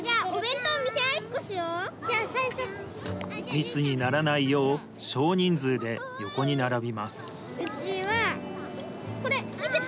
密にならないよう、少人数で横に並びます。